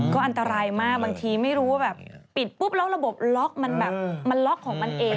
ก็อันตรายมากบางทีไม่รู้ว่าแบบปิดปุ๊บแล้วระบบล็อกมันแบบมันล็อกของมันเอง